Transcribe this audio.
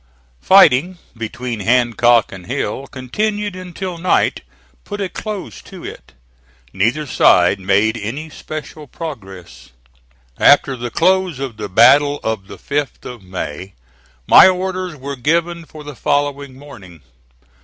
Fighting between Hancock and Hill continued until night put a close to it. Neither side made any special progress. After the close of the battle of the 5th of May my orders were given for the following morning.